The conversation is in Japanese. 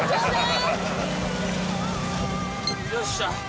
よっしゃ